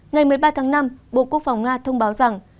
ngày một mươi ba tháng năm bộ quốc phòng nga thông báo rằng